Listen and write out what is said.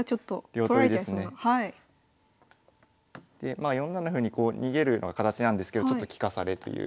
まあ４七歩に逃げるような形なんですけどちょっと利かされという。